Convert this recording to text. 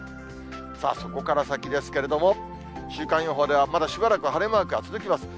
さあ、そこから先ですけれども、週間予報ではまだしばらくは晴れマークが続きます。